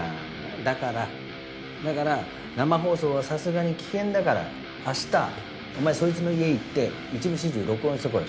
だからだから生放送はさすがに危険だから明日お前そいつの家行って一部始終録音してこい。